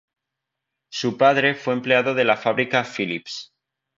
Su padre fue empleado de la fábrica Philips.